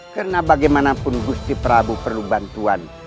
karena bagaimanapun gusti prabu perlu bantuan